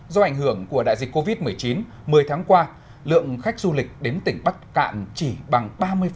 do ảnh hưởng của đại dịch covid một mươi chín một mươi tháng qua lượng khách du lịch đến tỉnh bắc cạn chỉ bằng ba mươi